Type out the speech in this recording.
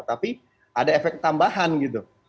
tapi ada efek tambahan gitu